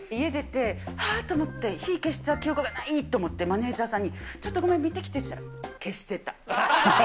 家出て、あっと思って、火消した記憶がない！って思って、マネージャーさんに、ちょっとごめん、見てきてって言ったら、消してた。